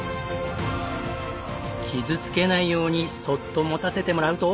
傷つけないようにそっと持たせてもらうと。